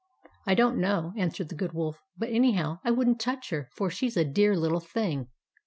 " I don't know," answered the Good Wolf. " But anyhow, I would n't touch her, for she 's a dear little thing."